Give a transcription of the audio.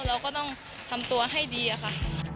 เราก็ต้องทำตัวให้ดีอะค่ะ